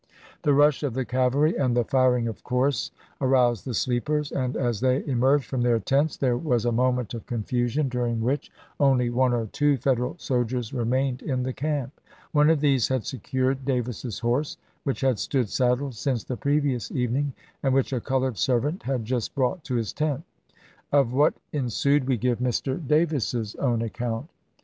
The rush of the cavalry and the firing of course aroused the sleepers, and as they emerged from their tents there was a moment of confusion, THE CAPTURE OF JEFFERSON DAVIS 271 during which only one or two Federal soldiers remained in the camp. One of these had secured Davis's horse, which had stood saddled since the previous evening, and which a colored servant had just brought to his tent. Of what ensued, we give Mr. Davis's own account: CH. xiii. Lawton, in " The Atlantic," Sept., 1865, p.